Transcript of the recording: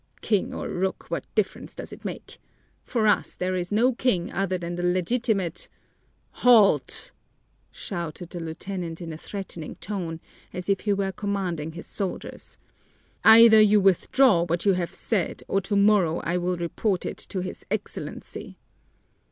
"King or rook! What difference does that make? For us there is no king other than the legitimate " "Halt!" shouted the lieutenant in a threatening tone, as if he were commanding his soldiers. "Either you withdraw what you have said or tomorrow I will report it to his Excellency!"